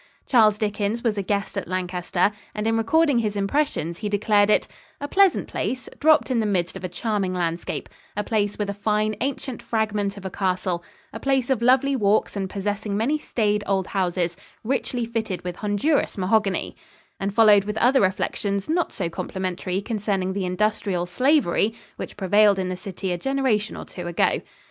Charles Dickens was a guest at Lancaster, and in recording his impressions he declared it "a pleasant place, dropped in the midst of a charming landscape; a place with a fine, ancient fragment of a castle; a place of lovely walks and possessing many staid old houses, richly fitted with Honduras mahogany," and followed with other reflections not so complimentary concerning the industrial slavery which prevailed in the city a generation or two ago.